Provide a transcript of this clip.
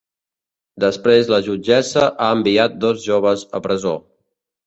Després la jutgessa ha enviat dos joves a presó.